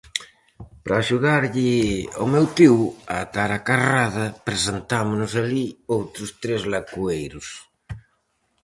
Para axudarlle ao meu tío a atar a carrada, presentámonos alí outros tres lacoeiros.